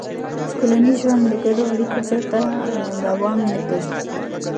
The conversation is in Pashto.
ټولنیز ژوند د ګډو اړیکو پرته نه دوام کوي.